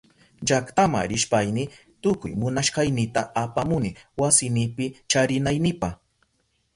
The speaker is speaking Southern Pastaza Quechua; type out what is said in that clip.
Llaktama rishpayni tukuy munashkaynita apamuni wasinipi charinaynipa.